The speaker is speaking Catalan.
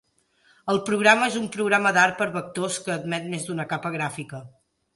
El programa és un programa d'art per vectors que admet més d'una capa gràfica.